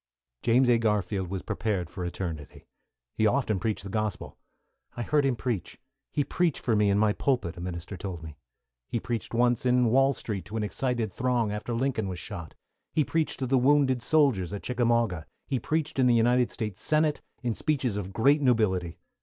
James A. Garfield was prepared for eternity. He often preached the Gospel. "I heard him preach, he preached for me in my pulpit," a minister told me. He preached once in Wall Street to an excited throng, after Lincoln was shot. He preached to the wounded soldiers at Chickamauga. He preached in the United States Senate, in speeches of great nobility.